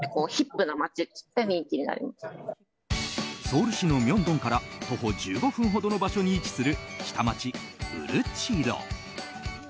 ソウル市のミョンドンから徒歩１５分ほどの場所に位置する下町ウルチロ。